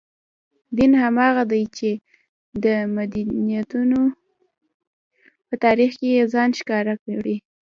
دین هماغه دی چې د متدینو په تاریخ کې یې ځان ښکاره کړی.